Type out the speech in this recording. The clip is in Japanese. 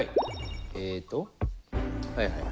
えっとはいはい。